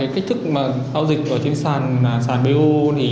cách thức giao dịch trên sàn b o